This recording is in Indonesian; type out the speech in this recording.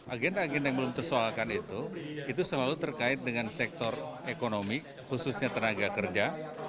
agenda agenda yang belum tersoalkan itu itu selalu terkait dengan sektor ekonomi khususnya tenaga kerja